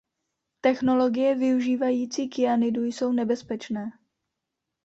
Technologie využívající kyanidu jsou nebezpečné.